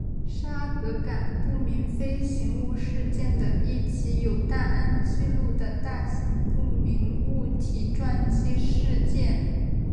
沙格港不明飞行物事件的一起有档案记录的大型不明物体撞击事件。